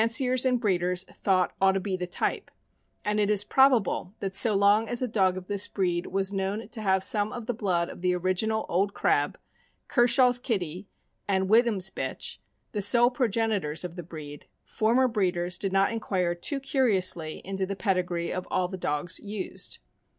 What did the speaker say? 443 ciers and breeders thought ought to be the type; and it is probable that so long as a dog of this breed was known to have some of the blood of the original Old Crab, Kershaw's Kitty, and Whittam's bitch — the sole progenitors of the breed — former breeders did not inquire too curiously into the pedigree of all the dogs used.